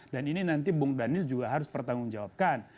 dan ini nanti bung daniel juga harus bertanggung jawabkan